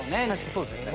そうですね。